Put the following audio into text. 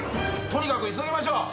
とにかく急ぎましょう。